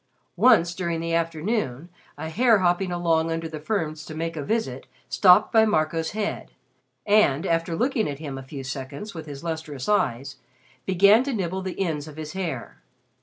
Once, during the afternoon, a hare hopping along under the ferns to make a visit stopped by Marco's head, and, after looking at him a few seconds with his lustrous eyes, began to nibble the ends of his hair.